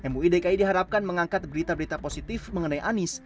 muidki diharapkan mengangkat berita berita positif mengenai anies